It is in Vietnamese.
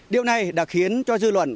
điều này đã khiến cho dư luận